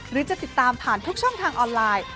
หรือจะติดตามผ่านทุกช่องทางออนไลน์